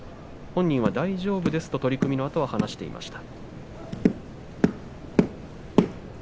本人は大丈夫ですと取組のあと話していました。